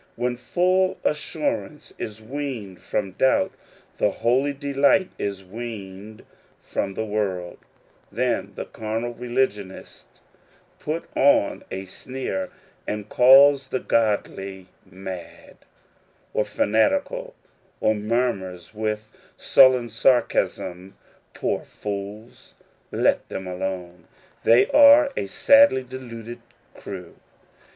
When full assurance is weaned from doubt, and holy delight is weaned from the world, then the carnal religion ist puts on a sneer, and calls the godly mad, of fanatical, or murmurs with sullen sarcasm, " Poor fools ! let them alone ; they are a sadly deluded crew."